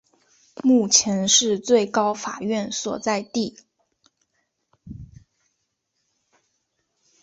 目前是最高法院所在地。